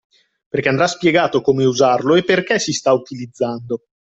Perché andrà spiegato come usarlo e perché si sta utilizzando.